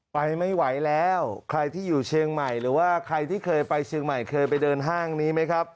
ไปไม่ไหวแล้วใครที่อยู่เชียงใหม่หรือว่าใครที่เคยไปเชียงใหม่เคยไปเดินห้างนี้ไหมครับ